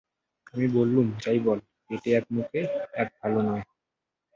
আমি বললুম, যাই বল, পেটে এক মুখে এক ভালো নয়।